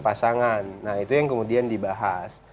pasangan nah itu yang kemudian dibahas